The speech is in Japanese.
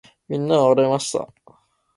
皆は笑いました。